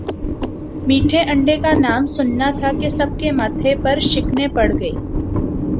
میٹھے انڈے کا نام سننا تھا کہ سب کے ماتھے پر شکنیں پڑ گئی